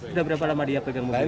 sudah berapa lama dia pegang mobil